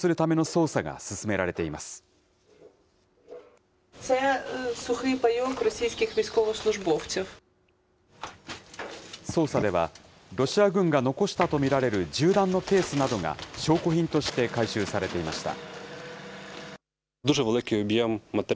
捜査では、ロシア軍が残したと見られる銃弾のケースなどが証拠品として回収されていました。